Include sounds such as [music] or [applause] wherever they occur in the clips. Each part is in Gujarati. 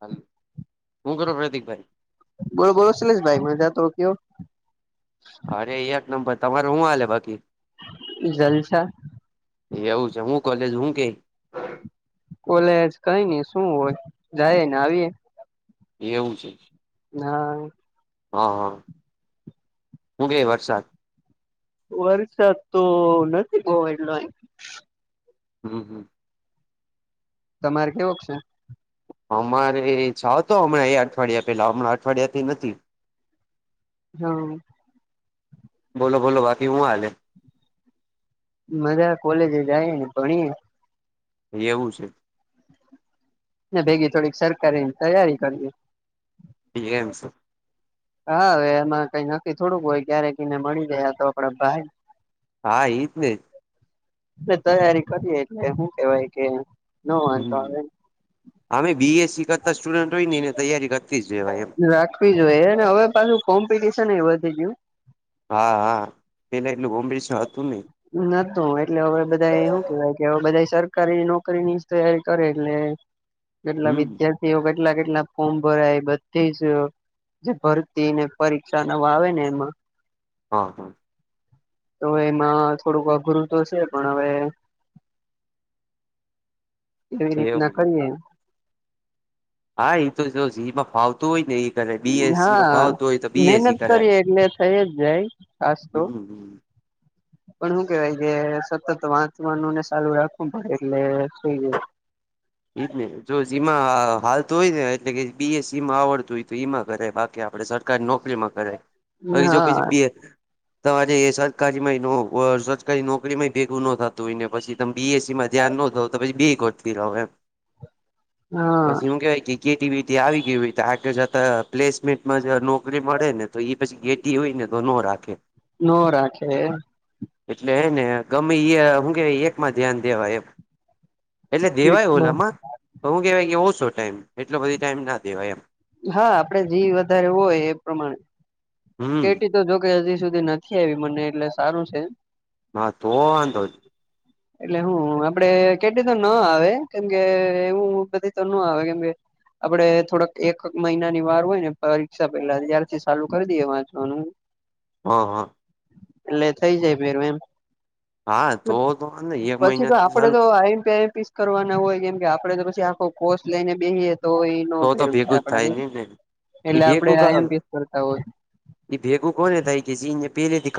હાલ હુ કરો પ્રતીક ભાઈ બોલો બોલો સુરેશ ભાઈ મજા તો કયો અરે એક નંબર તમારે હુ હાલે બાકી જલસા એવું છે હું કલેજ હું કેઈ કોલેજ કઈ નય શું હોય જાયે ને આવીએ એવું છે. હા હા હા હું કેય વરસાદ વરસાદ તો નથી બૌ એટલો અય હં હ તમારે કેવોક સે અમારે છાહતો હમણાં અઠવાડિયા પેલાં હમણાં અઠવાડિયાથી નથી હમ બોલો બોલો બાકી હું હાલે મજા કોલેજે જાયે ને ભણીયે એવું છે ને ભેગી થોડીક સરકારીની તૈયારી કરીએ ઈ એમ સે હા હવે એમાં કાઈ નક્કી થોડુંક હોય ક્યારે એને મળી ગયા તો આપડા ભાગ હા ઈ જ ને એ તૈયારી કરીએ એટલે હુ કેવાય કે નો હમ વાંધો આવે આમેય બીએસસી કરતા સ્ટુડન્ટ હોય નેએ ને તૈયારી કરતી જ રેવાય એમ આપવી જોઈએ ને હવે પાછું કોમ્પિટિશને ય વધી ગયું હા હા પેલા એટલુ કોમ્પીટીશન હતું નય નતું એટલે હવે બધા એ હુ કેવાય કે હવે બધા સરકારી નોકરીની જ તૈયારી કરે એટલે કેટલા હમ વિદ્યાર્થીઓ કેટલા કેટલા ફોર્મ ભરાય બધી જ જે ભરતી ને પરીક્ષા ને એવુ ને એમાં હ હ તો એમાં થોડુંક અઘરું તો છે પણ હવે [inaudible] એવી રીત એવું ના છે. કરીએ હા ઈ તો જો જીમાં ફાવ તુ હોય ને ઈ કરાય બીએસસીમાં હા ફાવતુ હોય તો મહેનત બીએસસી કરાય કરીએ એટલે થઈ જ જાય ખાસ તો હમ હમ પણ હુ કેવાય કે સતત વાંચવાનું ને સાલુ રાખવું પડે એટલે થઈ જાય ઈજ ને જો જીમા હાલતુ હોય ને એટલે કે બી એ સીમાં આવડતુ હોય તો ઈમા કરાય બાકી આપડે ઝા સરકારી નોકરીમાં કરાય કરી બાકી જો હા પછી પી એ તો આજે એ સરકારી માં ય નો સરકારી નોકરીમાં ય ભેગું નો થાતું હોય ને પછી તમ બીએસસી માં ધ્યાન નો દયો તો પછી બેય કોરથી રયો એમ હા પછી હુ કેવાય કે કેટી વેટી આવી ગઈ હોય તો આગળ જતાં પ્લેસમેન્ટમાં જ નોકરી મળે ને તો એ પછી હોય ને તો નો રાખે નો રાખે એટલે હેને ગમે એ હું કે એકમાં ધ્યાન દેવાય એમ એટલે દેવાય એકમાં ઓલમાં તો હું કહેવાય કે ઓછો ટાઈમ એટલો બધો ટાઈમ ના દેવાય એમ હા આપડે જી વધારે હોય એ પ્રમાણે હમ કેટી તો જોકે હજી સુધી નથી આવી મને એટલે સારું છે ના તો વાંધો નઈ એટલે હું આપડે કેટી ન આવે કેમકે એવું કેટી તો ના આવે કેમકે આપડે થોડાક એક મહિનાની વાર હોય ને પરીક્ષા પેલા ત્યારથી ચાલુ કરી દઈએ શાનું હ હા એટલે થઈ જાય ભેરુ એમ હા તો તો વાંધો નઈ એક પછી તો મહિનાથી આપડે ચાલુ તો આઈ એમ પી કરવાના હોય કેમ કે આપડે તો પછી આખો કોર્ષ લઈને બેસીએ તો હોય નો તો તો ભેરુ થાય ભેગું જ આપડા થી નઈ ને એ એટલે આપડે ભેગું આઈ એમ પી કરતા હોય એ ભેગું કોને થાય કે [unintelligible] જે ઇને પહેલે દી્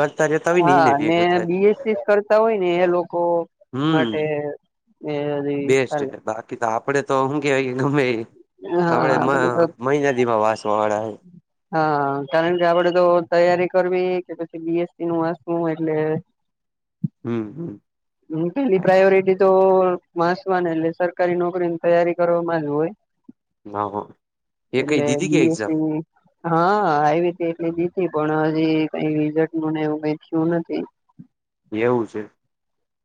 હા ને બી એસ સીસ કરતા હોય ને એ લોકો હમ માટે ને હજી હાલે. કી તો આપડે તો શું કેવાય ગમેઈ આપડે હા મ બધું મહિનાદીમાં વાસવા વાળા હી હા કારણ કે આપડે તો તૈયારી કરવી કે પછી બી એસ સી નું વાસવું એટલે હમ હમ. હું તેની પ્રાયોરિટી તો વાસવાને એટલે સરકારી નોકરીની તૈયારી કરવામાં જ હોય. હા એ કઈ એટલે દીધી કે બી એસ એક્ઝામ સી હા આઈવી તી એટલી દીધી પણ હજી કઈ રીઝલ્ટનું ને એવું કાઈ થયું નથી એવું છે.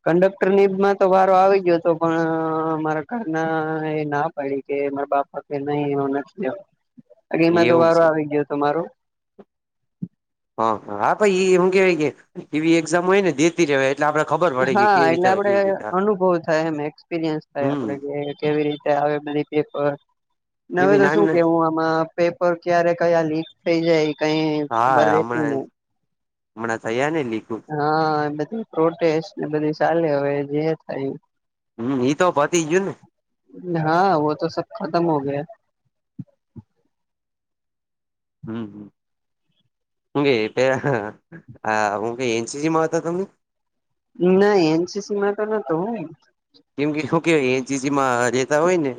કંડક્ટર નીમાં તો વારો આવી ગયો હતો પણ મારા ઘરના એ ના પહી કે મારા બાપા કે નહી એમાં નથી લેવુ [inaudible] બાકી એમાં તો એવું વારો છે આવી ગયો તો મારો હ હ હા ભય ઈ એમ કેવાય કે એવી એક્ઝામ હોયને દેતી રેવાય એટલે આપણે ખબર પડે કે હા કેવી એટલે આપડે કેવી રીતે અનુભવ થાય એમ એક્સપિરિયન્સ થાય હમ આપડે કે કેવી રીતે આવે બધી પેપર ને હવે એવી તો શું નાની કેવું આ માં પેપર ક્યારે કયા લીક થઈ જાય ઈ કાઈ ખબર રહેેતી નથી. હમણા થયાને લીકુ- હા બધી પ્રોટેસ્ટ ને બધી ચાલે હવે જે થાય ઈ હમ ઈ તો પતી ગયું ને હા વોતો સબ ખતમ હો ગયા હમ હમ હુ કે પેલા આ શુકે એન સી સી માં હતા તમે નય એન સી સી માં તો નતો હુંય- કેમ કે શું કે એ એન સી સી માં રહેતા હોય ને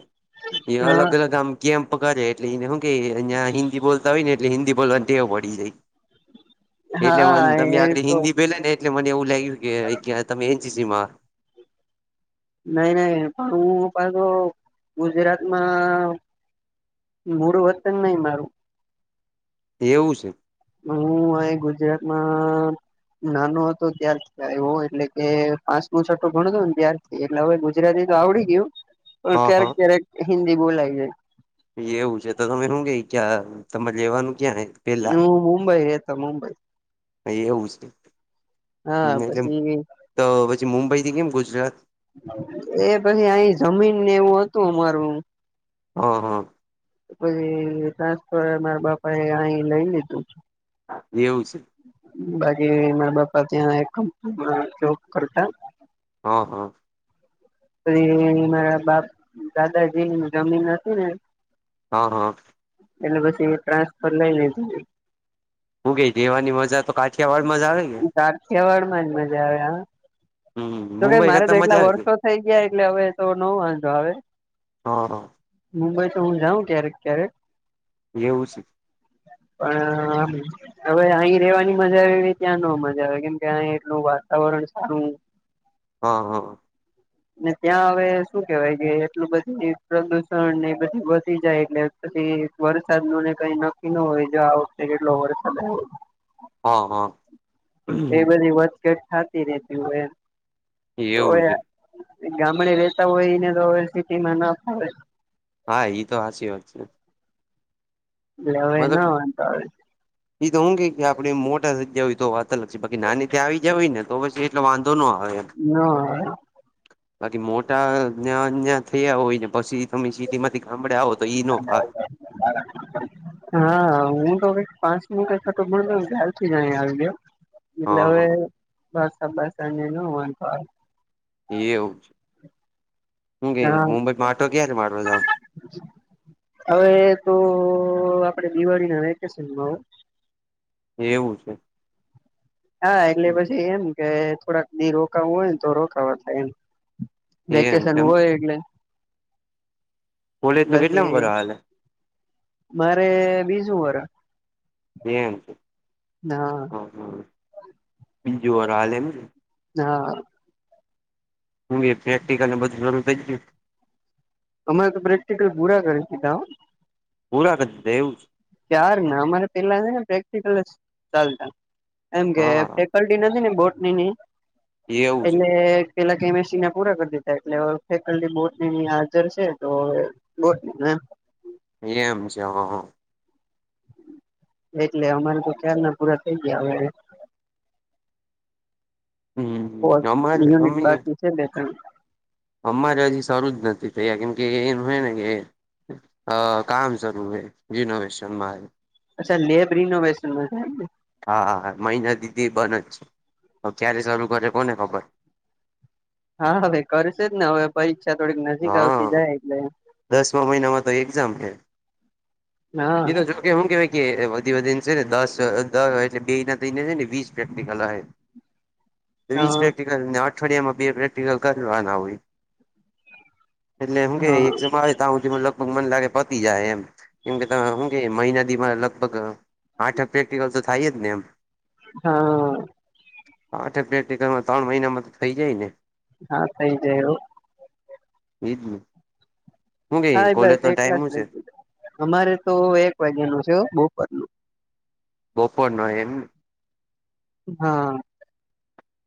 એ અલગ હા અલગ આમ કેમ્પ કરે એટલે એને શું કે ન્યા હિન્દી બોલતા હોય ને એટલે હિન્દી બોલવાની ટેવ પડી જાય એટલે હા મન તમે એ આધડી તો હિન્દી બોઈલા ને એટલે મને એવું લાગ્યુ કે તમે એન સી સી માં નહી નહી પણ હું પાછો ગુજરાતમાં મુળ વતન નઈ મારું એવું છે? હું આયા ગુજરાતમાં નાનો હતો, ત્યારથી આયવો. એટલે કે પાંચમુ છઠ્ઠો ભણતો ને ત્યાર થી એટલે હવે, ગુજરાતી તો આવડી ગયું. [inaudible] પણ ક્યારેક ક્યારેક હિન્દી બોલાય જાય. એવું છે, તો તમે શું કેઈ, ક્યાં તમારે રહેવાનું ક્યાં હે? હું મુંબઈ રેતો મુુંબઈ. એવું છે. હા [unintelligible] પછી તો પછી મુંબઈથી કેમ ગુજરાત? એ પછી આય જમીનને એવું હતું મારું. હ હ પછી ટ્રાન્સફર મારા બાપાએ આય લઈ લીધું. એવું છે. બાકી મારા બાપા ત્યાં એક કંપનીમાં જોબ કરતા. હ હ પછી મારા બાપ દાદાજીની જમીન હતી ને હ હ એટલે પછી એ ટ્રાન્સફર લઈ લીધું. શું કે દેવાની મજા તો કાઠિયાવાડ મજા આવેને. તેહવારમાં જ મજા આવે હા હમ તો કેઈ મુંબઈ મારે તો કરતા એટલા મજા આવે કે વર્ષો થઈ ગયા એટલે હવે, તો ન વાંધો આવે. હા હા મુંબઈ તો હું જાઉં ક્યારેક ક્યારેક. એવું છે. પણ હવે, અહી રહેવાની મજા આવે, એ ત્યાં ન મજા આવે. કેમ કે અહી એટલું વાતાવરણ સારું હ હ ને ત્યાં હવે, શું કેવાય કે એટલું બધી પ્રદુષણ એ બધી વધી જાય. એટલે પછી વરસાદનુંને કઈ નક્કી ન હોય. જો આ વખતે કેટલો વરસાદ આવે. હા હા એ બધી વધઘટ કેટલી થાતી રહતી હોય એમ તો એવું છે યા ગામડે રહેતા હોય, એને તો હવે સિટીમાં ન ફાવે. હા, ઈ તો સાચી વાત છે. એટલે હવે ન વાંધો આવે. એ તો ઉધી ગયો આપણે મોટા થઈ ગયા હોય, તો વાત અલગ છે. બાકી નાની ત્યાં આવી જ હોય ને, તો બસ એ ટલે વાંધો નો આવે એમ. ના [unintelligible] બાકી મોટા ન્યા ન્યા થયા હોયને, પછી તમે સી ટી માંથી ગામડે આવો તો ઈ નો ફા હા, હું તો કઈક પાંચ કે છઠું ભણતો ત્યારથી ભણતો ને ત્યારથી જ આયા આવી ગ્યો. હા એલા હવે હા પાસણ બાસણ નું ન વાંધો આવે. એવું છે. શું કે હા મુંબઈમાં આટો ક્યારે મારવા જાવુ. હવે, તો આપડે દિવાળીના વેકેશનમાં હો એવું છે. હા, એટલે પછી એમ કે થોડાક દી રોકાવું હોયને, તો રોકાવા થાય એમ. એમ વેકેેશન એમ હોય, એટલે કોલેજ નું કેટલામ વરહ [unintelligible] હાલે મારે બીજું વરહ વેમ છે હ હ બીજું વરહ હાલે એમ ને હા. હું પ્રેક્ટિકલને બધું શરૂ થઈ ગયું. અમારે તો પ્રેક્ટિકલ પુરા કરી દીધા હો. પૂરા કર દીધા એવું છે. ક્યારના અમારે પેલાને પ્રેક્ટિકલ જચાલતા એમ કે ફેકલ્ટી નથી ને બોટનીની છે હા એવું એટલે છે પેલા કેમેસ્ટ્રી પૂરા કરી દીધા એટલે ફેકલ્ટી બોટનીની હાજર છે તો હવે બોટનીના એમ એમ છે હ હ. એટલે અમારે તો ક્યારના પૂરા થઈ ગયા હવે. હમ ફોર્થ અમારે યુનિટ અમે બાકી છે બે ત્રણ અમારે હજી સરું જ નથી થયા કેમ કે એનું હોય ને કે અ કામ શરૂ રે રીનોવેશનમાં આવે. અચ્છા લેબ રિનોવેશનમાં છેને? હા, હા, હા, મહિના દી થી બને જ છે હવે ક્યારે શરૂ કરે કોને ખબર. હા હવે કરશે જ ને હવે પરીક્ષા થોડીક નજીક આવતી હા જાય એટલે દસમા મહિનામાં તો એક્ઝામ હે. હા એ તો જો એ હું કેવાય કે વધી વધીને છે ને દસ એટલે બે ના થઈને છે ને વીસ પ્રેક્ટિકલ આવે. વીસ હા પ્રેક્ટિકલ અઠવાડિયામાં બે પ્રેક્ટિકલ કરવાના હોય. એટલે હું કે હા એક્ઝામ આવે તા હુધિ લગભગ મને લાગે પતી જાહે એમ કેમ કે હું કે મહિના દી માં લગભગ આઠ ક પ્રેક્ટિકલ તો થાય જ ને એમ. હા. આઠ એક પ્રેક્ટિકલમાં ત્રણ મહિનામાં તો થઈ જાય ને. હા, થઈ જાય હો. ઇ જ ને. હું કે હા કોલેજ બસ નો ટાઈમ એટલા જ હું છે [unintelligible] અમારે તો એક વાગ્યા નું છે બપોરનું. બપોરનો એમ ને. હા.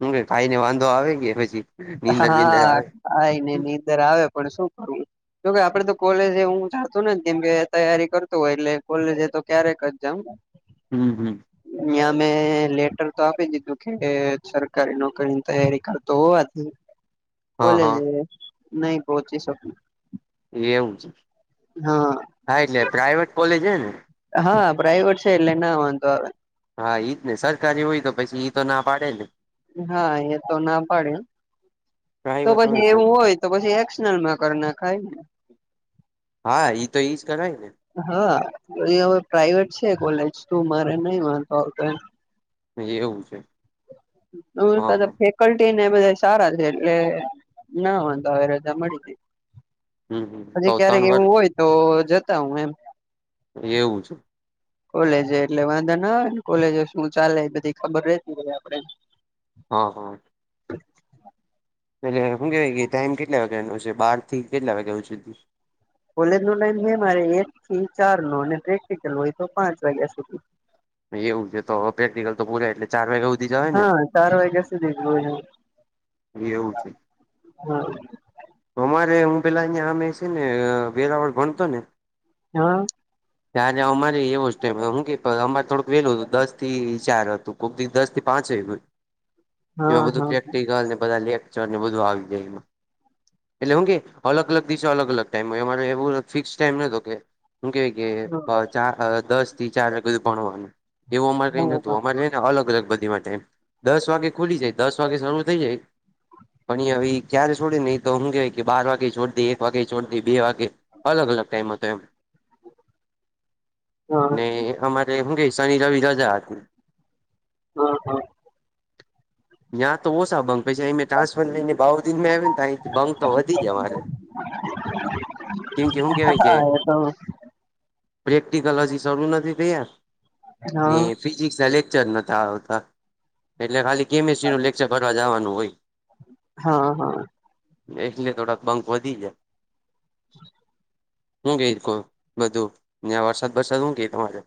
હું કે ખાઈ ને વાંધો આવે કે પછી? નીંદર બીંદર હા આવે ખાઈને નીંદર આવે પણ શું કરીએ? જોકે આપડે તો કોલેજ હું જાતો ને જેમ કે તૈયારી કરતું હોય એટલે કોલેજે તો ક્યારેક જ જાવ. હમ્મ, હમ્મ. ત્યાં મેં લેટર તો આપી દીધું કે સરકારી નોકરીની તૈયારી કરતો હોવા થી હા હા કોલેજે નહી પહોચી શકું. એવું છે. હા એટલે પ્રાઈવેટ કોલેજ હે ને? હા, પ્રાઈવેટ છે એટલે ના વાંધો આવે. હા ઈ જ ને સરકારી હોય તો પછી ઈ તો ના પાડે ને. હા એ તો ના પાડે તો પછી એવું હોય તો પછી એક્સનલમાં કર નખાય ને. હા ઇ તો ઇ જ કરાય ને. હા ઈ હવે પ્રાઈવેટ છે કોલેજ તો મારે નહી વાંધો આવતો એમ. એવું છે. હા હા [unintelligible] ફેકલ્ટી ને બધા સારા છે એટલે ના વાંધો હવે રજા મળી જાય. હમ હમ તો હજી ક્યારેક ત્રણ વાર એવું હોય તો જતો આવું એમ. એવું છે. કોલેજે એટલે વાંધો ના આવે ને કોલેજે શું ચાલે બધી ખબર રહેતી હોય આપડે. હા, હા. એટલે શું કેવાય કે ટાઈમ કેટલા વાગ્યાનો છે બાર થી કેટલા વાગ્યાનો છે? કોલેજનો ટાઈમ છે મારે એક થી ચારનો અને પ્રેક્ટિકલ હોય તો પાંચ વાગ્યા સુધી. એવું છે તો પ્રેક્ટિકલ તો પૂરા એટલે ચાર વાગ્યા સુધી જ આવેને? હા ચાર વાગ્યા સુધી જ હોય એમ. એવું છે. હા અમારે હું પેલા ન્યા મે સેને વેરાવળ ભણતો ને હા. [inaudible] ત્યા જવામાં જ એવો જ ટાઈમ હતો કે અમારે થોડુંક વહેલું હતુંદસ થી ચાર હતું કોક દી દસ થી પાંચેય હોય. હા એમાં બધું હા પ્રેક્ટિકલ ને બધા લેક્ચર ને બધું આવી જાય એમાં એટલે હું કે અલગ અલગ દિવસે અલગ અલગ ટાઈમ હોય. અમારે એવું ફિક્સ ટાઈમ નતો કે શું કેવાય હા કે ચાર દસ થી ચાર વાગ્યા સુધી ભણવાનું એવું અમારે હા કઈ હા નતું અમારે અલગ અલગ બધી માટેમ દસ વાગે ખુલી જાય દસ વાગે શરૂ થઇ જાય. પણ ઈ હવે ક્યારે છોડે ન ઈ તો હું કેવાય કે બાર વાગે છોડ દે ને એક વાગે છોડ દે બે વાગે અલગ અલગ ટાઈમ હતો એમ ને અમા તઈ શુંકે કે શની-રવિ રજા હતી. હા હા ન્યા તો ઓસા બંક પસી અમિ ટ્રાન્ફર લઈને બાવદિનમાં આવ્યાની તો બંક તો વધી ગયા અમારે કેવાય કે હા એ તો પ્રેક્ટિકલ હજી શરૂ નથી થયા ને હા ફિઝિક્સના લેક્ચર નતા આવતા એટલે ખાલી કેમિસ્ટ્રીનું લેક્ચર ભરવા જવાનું. હોય હા હા એટલે થોડા બંક વધી ગયા. [inaudible] હું કઈ બધું ત્યાં વરસાદ બરસાદ હું કેઈ તમારે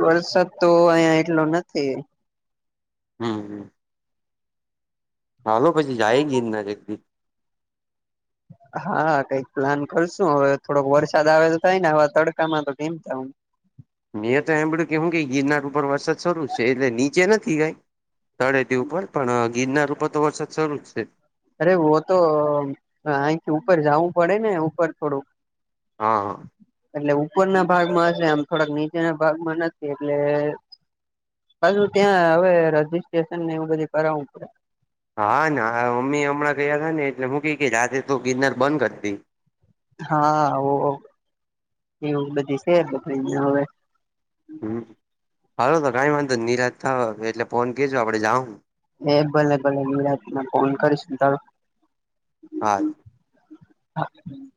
વરસાદ તો અહિયાં એટલો નથી. હમ હમ હાલો પછી જઈએ ગિરનાર એકદી હા કઈક પ્લાન કરશું હવે થોડોક વરસાદ આવે તો થાય ને આવા તડકામાં તો [unintelligible] મેં તો સાંભળ્યુ કે સુ કે ગિરનાર ઉપર વરસાદ શરૂ છે એટલે નીચે નથી કંઈ તળેટી ઉપર પણ ગીરનાર ઉપર તો વરસાદ શરૂ જ છે. અરે વ તો અહીથી ઉપર જવું પડે ને ઉપર થોડુંક હા હ એટલે ઉપરના ભાગમાં હશે આમ થોડાક નીચેના ભાગમાં નથી એટલે પાછું ત્યાં હવે રજીસ્ટ્રેશનને એવું બધું કરાવું પડે. હા મમ્મી હમણાં ગયા હતા ને એટલે હું કે કે રાતે તો ગિરનાર બંધ કરી દે હા એવું બધી છે બધું ન્યા હવે હાલો તો કંઈ વાંધો નિ નિરાંત થાય એટલે ફોન કરજો આપડે જાહું એ ભલે ભલે નિરાંતના ફોન કરીશું [unintelligible] હા [inaudible]